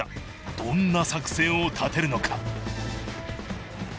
どんな作戦を立てるのか？